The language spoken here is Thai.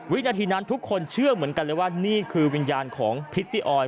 วินาทีนั้นทุกคนเชื่อเหมือนกันเลยว่านี่คือวิญญาณของพิตตี้ออย